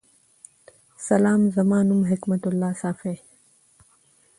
سلام زما نوم حکمت الله صافی